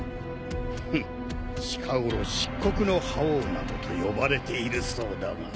フンッ近頃漆黒の覇王などと呼ばれているそうだが。